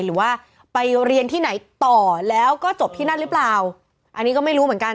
หรือว่าไปเรียนที่ไหนต่อแล้วก็จบที่นั่นหรือเปล่าอันนี้ก็ไม่รู้เหมือนกัน